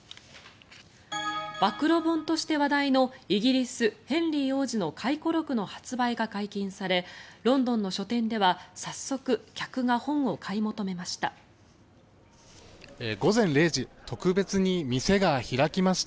暴露本として話題のイギリス、ヘンリー王子の回顧録の発売が解禁されロンドンの書店では早速、客が本を買い求めました。